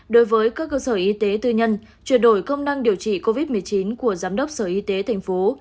đối với các cơ sở y tế tư nhân chuyển đổi công năng điều trị covid một mươi chín của giám đốc sở y tế thành phố